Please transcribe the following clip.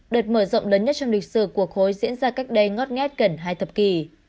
đợt mở rộng lớn nhất trong lịch sử của khối diễn ra cách đây ngót nghét gần hai thập kỷ